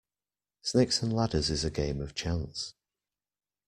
Snakes and ladders is a game of chance.